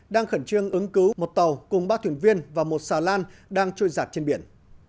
đang khẩn trương ứng cứu một tàu cùng ba thuyền viên và một xà lan đang trôi giặt trên biển